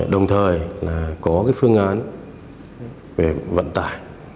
đồng thời là có cái phương án về vận tải